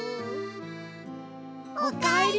おかえり！